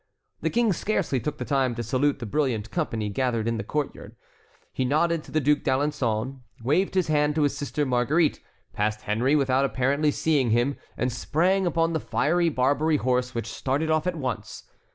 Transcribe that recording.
The King scarcely took the time to salute the brilliant company gathered in the court yard. He nodded to the Duc d'Alençon, waved his hand to his sister Marguerite, passed Henry without apparently seeing him, and sprang upon the fiery Barbary horse, which started off at once.